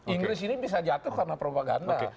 inggris ini bisa jatuh karena propaganda